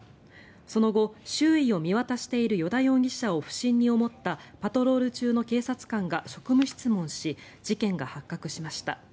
その後、周囲を見渡している依田容疑者を不審に思ったパトロール中の警察官が職務質問し事件が発覚しました。